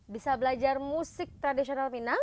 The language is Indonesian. bisa belajar musik tradisional minang